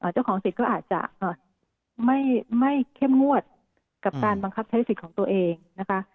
เจ้าของสิทธิ์ก็อาจจะไม่เข้มงวดกับการบังคับใช้สิทธิ์ของตัวเองนะคะ